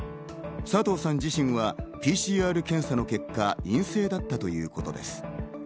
佐藤さん自身はＰＣＲ検査の結果、陰性だったということです。